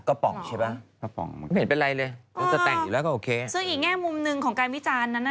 ป๋องใช่ป่ะกระป๋องไม่เห็นเป็นไรเลยก็จะแต่งอยู่แล้วก็โอเคซึ่งอีกแง่มุมหนึ่งของการวิจารณ์นั้นน่ะ